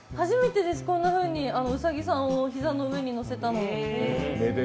初めてです、こんなふうにうさぎさんを膝の上に乗せたの。